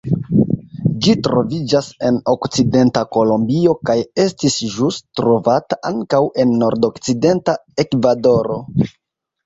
Ĝi troviĝas en okcidenta Kolombio kaj estis ĵus trovata ankaŭ en nordokcidenta Ekvadoro.